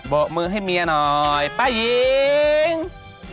กะมือให้เมียหน่อยป้ายิง